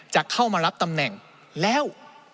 จะเข้ามารับตำแหน่งแล้ว